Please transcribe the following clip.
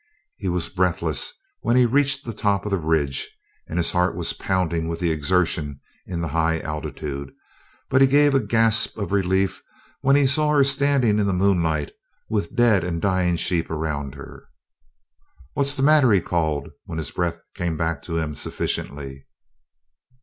He was breathless when he reached the top of the ridge and his heart was pounding with the exertion in the high altitude, but he gave a gasp of relief when he saw her standing in the moonlight with dead and dying sheep around her. "What's the matter?" he called, when his breath came back to him sufficiently.